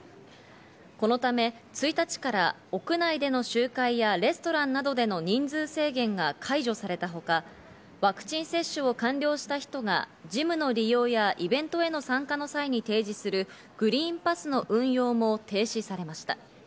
このため、１日から屋内での集会やレストランなどでの人数制限が解除されたほか、ワクチン接種を完了した人が、ジムの利用やイベントへの参加の際に提示するグリーンパスの運用も停止されました。